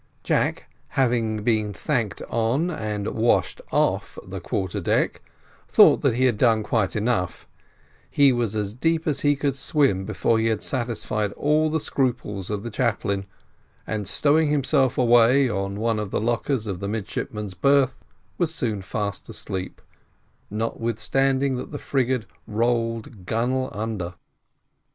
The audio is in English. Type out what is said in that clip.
Jack, having been thanked on and washed off the quarter deck, thought that he had done quite enough; he was as deep as he could swim before he had satisfied all the scruples of the chaplain, and stowing himself away on one of the lockers of the midshipmen's berth, was soon fast asleep, notwithstanding that the frigate rolled gunwale under.